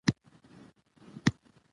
نادرخان پکتياوالو قدرت ته ورساوه